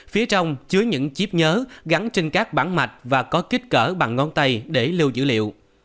phía trong chứa những chip nhớ gắn trên các bản mạch và có kích cỡ bằng ngón tay để lưu dữ liệu